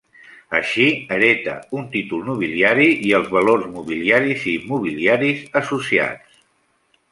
Així, hereta un títol nobiliari i els valors mobiliaris i immobiliaris associats.